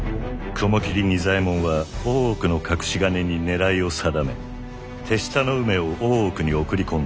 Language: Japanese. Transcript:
雲霧仁左衛門は大奥の隠し金に狙いを定め手下の梅を大奥に送り込んだ。